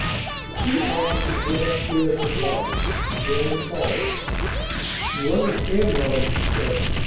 The two officers went upstairs with Bobby. Graham followed. "You understand," Robinson said.